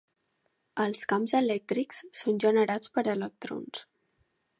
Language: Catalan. Els camps elèctrics són generats per electrons.